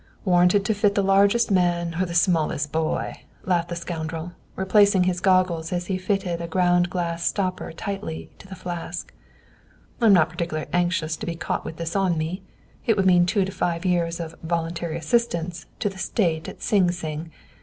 "Warranted to fit the largest man or the smallest boy," laughed the scoundrel, replacing his goggles, as he fitted a ground glass stopper tightly to the flask. "I am not particularly anxious to be caught with this on me. It would mean two to five years of 'voluntary assistance' to the State at Sing Sing.